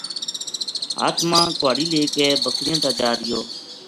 ہتھ ما کہاڑی لے کے بکریاں تا جارہیو